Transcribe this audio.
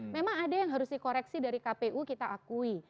memang ada yang harus dikoreksi dari kpu kita akui